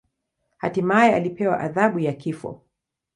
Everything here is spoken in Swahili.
Hatimaye alipewa adhabu ya kifo.